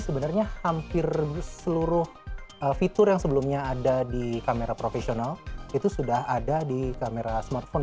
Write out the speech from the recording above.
sebenarnya hampir seluruh fitur yang sebelumnya ada di kamera profesional itu sudah ada di kamera smartphone